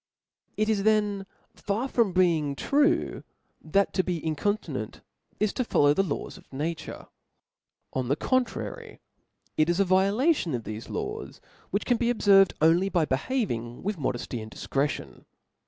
It is then far from being true, that to be inconti nrnt is to follow the laws of nature ; on the contrary^ it is a violation of thefe laws, which can beobfervcd only by behaving with modefty and difcretion.